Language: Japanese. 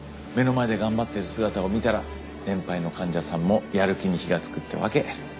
目の前で頑張ってる姿を見たら年配の患者さんもやる気に火がつくってわけ。